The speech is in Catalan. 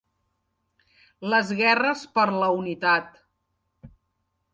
Les guerres per la unitat.